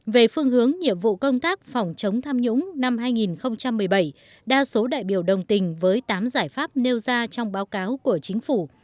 về phương hướng nhiệm vụ công tác phòng chống tham nhũng năm hai nghìn một mươi bảy đa số đại biểu đồng tình với tám giải pháp nêu ra trong báo cáo của chính phủ